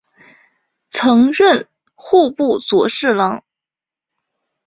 曾任户部左侍郎。